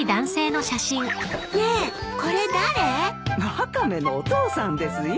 ワカメのお父さんですよ。